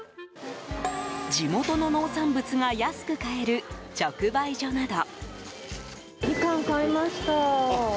地元の農産物が安く買える直売所など。